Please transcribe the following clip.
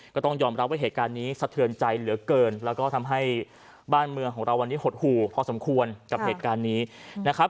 ก็ต้องยอมรับว่าเหตุการณ์นี้สะเทือนใจเหลือเกินแล้วก็ทำให้บ้านเมืองของเราวันนี้หดหู่พอสมควรกับเหตุการณ์นี้นะครับ